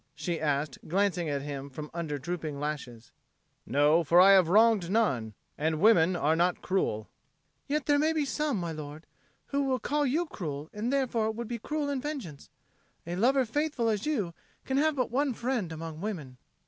she asked, glancing at him from under drooping lashes. "No, for I have wronged none; and women are not cruel." "Yet there may be some, my lord, who call you cruel and therefore would be cruel in vengeance. A lover faithful as you can have but one friend among women."